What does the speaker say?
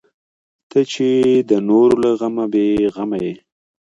ته چې د نورو له غمه بې غمه یې.